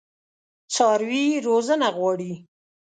څاروي روزنه غواړي.